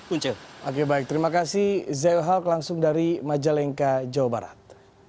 oke baik terima kasih zaiw halk langsung dari majalengka jawa barat